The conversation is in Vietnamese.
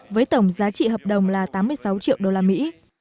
với tổng giá trị hợp đồng là tám mươi sáu triệu đô la mỹ